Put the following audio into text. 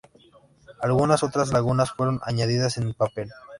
Algunas otras lagunas fueron añadidas en papel.